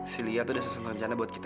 si lia tuh udah susun rencana buat kita